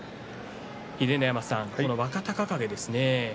秀ノ山さん、若隆景ですね